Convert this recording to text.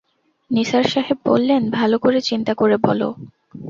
নিসার সাহেব বললেন, ভালো করে চিন্তা করে বল!